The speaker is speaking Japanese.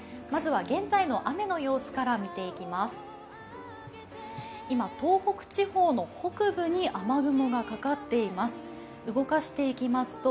まずは現在の雨の様子から見ていきます。